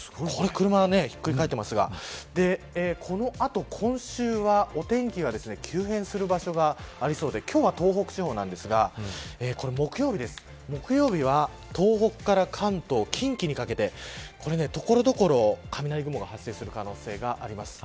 車がひっくり返っていますがこの後、今週は、お天気が急変する場所がありそうで今日は東北地方なんですが木曜日は東北から関東近畿にかけて所々雷雲が発生する可能性があります。